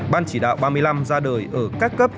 ban chỉ đạo ba mươi năm ra đời ở các cấp